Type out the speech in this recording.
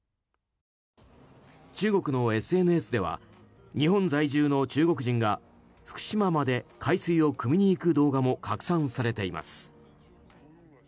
中国のＳＮＳでは日本在住の中国人が福島まで海水をくみに行く動画も拡散されています。